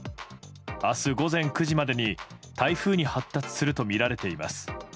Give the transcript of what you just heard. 明日午前９時までに台風に発達するとみられています。